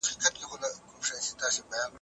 دا لوبه په شمالي ولایتونو کي ډېره مروجه ده.